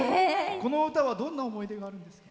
この歌は、どんな思い出があるんですか？